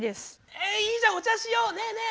えいいじゃんお茶しようねえねえ！